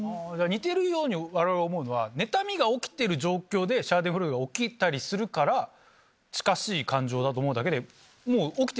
似てるように我々思うのは妬みが起きてる状況でシャーデンフロイデが起きたりするから近しい感情だと思うだけで。